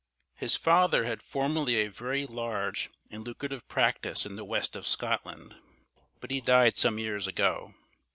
His father had formerly a very large and lucrative practice in the West of Scotland, but he died some years ago.